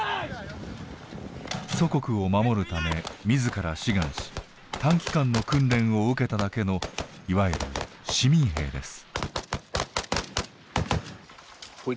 祖国を守るため自ら志願し短期間の訓練を受けただけのいわゆる市民兵です。